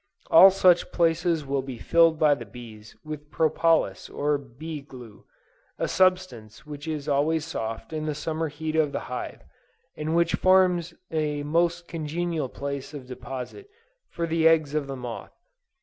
All such places will be filled by the bees with propolis or bee glue; a substance, which is always soft in the summer heat of the hive, and which forms a most congenial place of deposit for the eggs of the moth.